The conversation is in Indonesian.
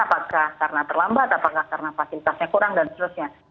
apakah karena terlambat apakah karena fasilitasnya kurang dan seterusnya